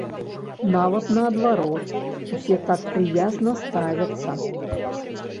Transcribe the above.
Нават наадварот усе так прыязна ставяцца.